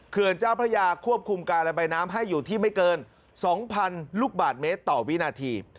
เจ้าพระยาควบคุมการระบายน้ำให้อยู่ที่ไม่เกิน๒๐๐๐ลูกบาทเมตรต่อวินาที